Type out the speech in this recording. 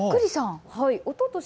おととし